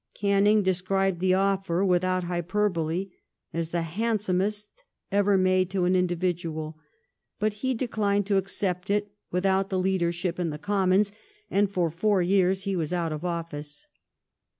Canning described the offer, without hyperbole, as " the handsomest ever made to an individual," but he declined to accept it without the leadership in the Commons, and for four years he was out of office.